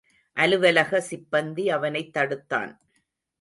அலுவலக சிப்பந்தி அவனைத் தடுத்தான்.